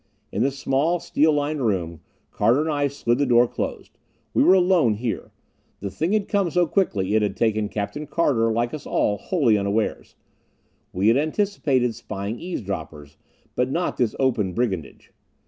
In the small, steel lined room, Carter and I slid the door closed. We were alone here. The thing had come so quickly it had taken Captain Carter, like us all, wholly unawares. We had anticipated spying eavesdroppers, but not this open brigandage.